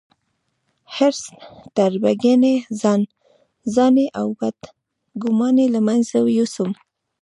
حرص، تربګني، ځانځاني او بدګوماني له منځه يوسم.